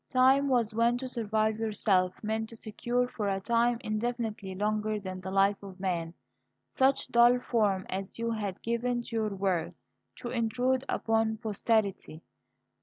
Time was when to survive yourself meant to secure, for a time indefinitely longer than the life of man, such dull form as you had given to your work; to intrude upon posterity.